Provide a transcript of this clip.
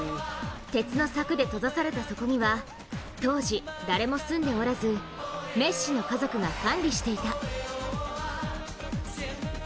鉄の柵で閉ざされたそこには当時、誰も住んでおらず、メッシの家族が管理していた。